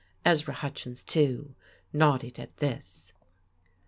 Ezra Hutchins, too, nodded at this.